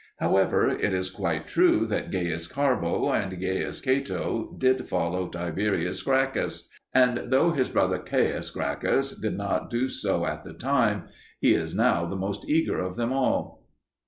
However, it is quite true that Gaius Carbo and Gaius Cato did follow Tiberius Gracchus; and though his brother Caius Gracchus did not do so at the time, he is now the most eager of them all.